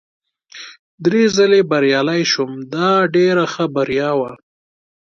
درې ځلي بریالی شوم، دا ډېره ښه بریا وه.